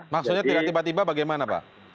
maksudnya tidak tiba tiba bagaimana pak